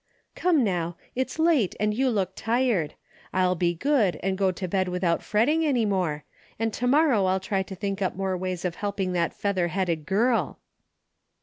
" Come now, it's late and you look tired. I'll be good and go to bed without fretting any more, and to morrow I'll try to think up more ways of helping that feather headed girl."